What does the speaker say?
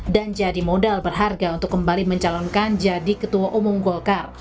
dan jadi modal berharga untuk kembali mencalonkan jadi ketua umum golkar